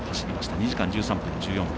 ２時間１３分１４秒。